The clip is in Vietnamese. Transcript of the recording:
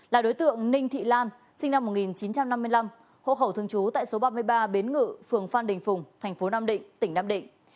là đối tượng ninh thị lan sinh năm một nghìn chín trăm năm mươi năm hộ khẩu thường trú tại số ba mươi ba bến ngự phường phan đình phùng thành phố nam định tỉnh nam định